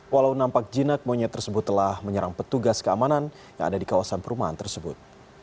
walau nampak jinak monyet tersebut telah menyerang petugas keamanan yang ada di kawasan perumahan tersebut